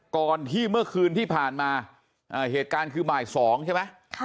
ก่อนที่เมื่อคืนที่ผ่านมาเหตุการณ์คือบ่าย๒ใช่ไหม